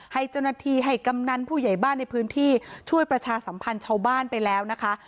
ให้เจ้าหน้าที่ให้กำนันผู้ใหญ่บ้านในพื้นที่ช่วยประชาสัมพันธ์ชาวบ้านไปแล้วนะคะ